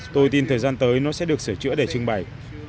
tôi tin thời gian tới nó sẽ được sửa chữa để trưng bày